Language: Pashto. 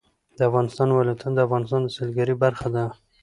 د افغانستان ولايتونه د افغانستان د سیلګرۍ برخه ده.